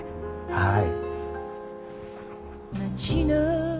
はい。